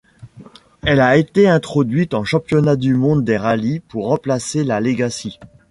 Elle a été introduite en championnat du monde des rallyes pour remplacer la Legacy.